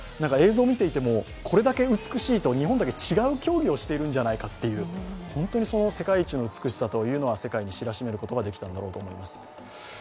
映像を見ていても、これだけ美しいと日本だけ違う競技をしているんじゃないかという、本当にその世界一の美しさというのを世界に知らしめることができたかと思います。